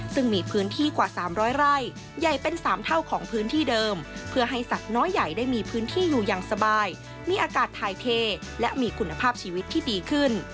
ซึ่งมีพื้นที่กว่า๓๐๐ไร่ใหญ่เป็น๓เท่าของพื้นที่เดิมเพื่อให้สัตว์น้อยใหญ่ได้มีพื้นที่อยู่อย่างสบายมีอากาศทายเทและมีคุณภาพชีวิตที่ดีขึ้น